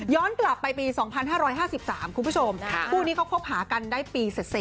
กลับไปปี๒๕๕๓คุณผู้ชมคู่นี้เขาคบหากันได้ปีเสร็จ